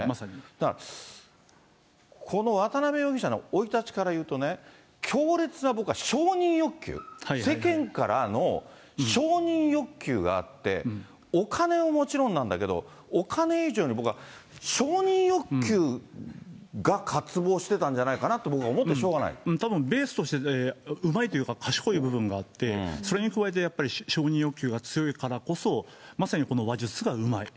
だから、この渡辺容疑者の生い立ちからいうとね、強烈な僕は承認欲求、世間からの承認欲求があって、お金はもちろんなんだけど、お金以上に、僕は承認欲求が渇望してたんじゃないかなと僕は思ってしょうがなたぶん、ベースとしてうまいというか、賢い部分があって、それに加えて、やっぱり承認欲求が強いからこそ、まさにこの話術がうまい。